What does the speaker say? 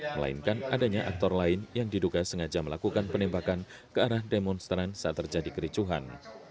melainkan adanya aktor lain yang diduga sengaja melakukan penembakan ke arah demonstran saat terjadi kericuhan